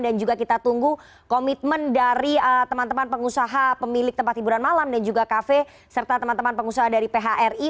dan juga kita tunggu komitmen dari teman teman pengusaha pemilik tempat hiburan malam dan juga kafe serta teman teman pengusaha dari phri